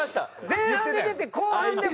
前半で出て後半でも？